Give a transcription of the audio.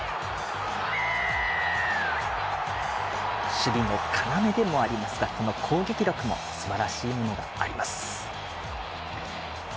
守備の要でもありますが攻撃力もすばらしいものがあります。